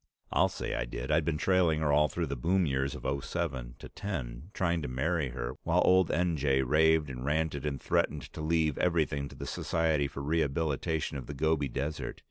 I'll say I did! I'd been trailing her all through the boom years of '07 to '10, trying to marry her, while old N. J. raved and ranted and threatened to leave everything to the Society for Rehabilitation of the Gobi Desert.